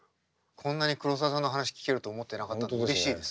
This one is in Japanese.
こんなに黒澤さんの話聞けると思ってなかったのでうれしいです。